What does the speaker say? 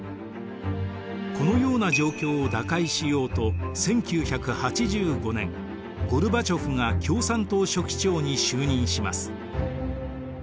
このような状況を打開しようと１９８５年ゴルバチョフが共産党書記長に就任します。